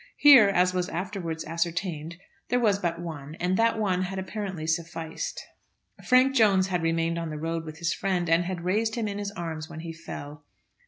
Here, as was afterwards ascertained, there was but one, and that one had apparently sufficed. Frank Jones had remained on the road with his friend, and had raised him in his arms when he fell.